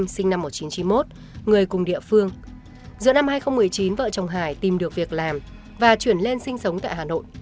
xin chào các bạn